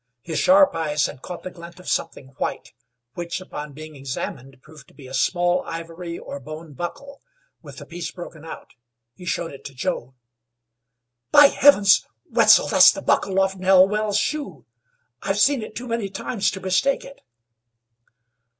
His sharp eyes had caught the glint of something white, which, upon being examined, proved to be a small ivory or bone buckle with a piece broken out. He showed it to Joe. "By heavens! Wetzel, that's a buckle off Nell Well's shoe. I've seen it too many times to mistake it."